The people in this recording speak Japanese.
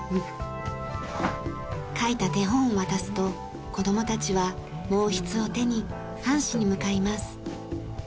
書いた手本を渡すと子どもたちは毛筆を手に半紙に向かいます。